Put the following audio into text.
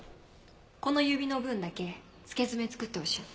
この指の分だけ付け爪作ってほしいの。